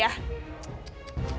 aku gak ngelakuin itu cintia